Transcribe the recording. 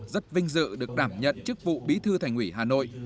rất vinh dự được đảm nhận trước vụ bí thư thành quỷ hà nội